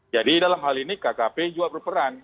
jadi dalam hal ini kkp juga berperan